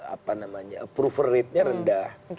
approval ratenya rendah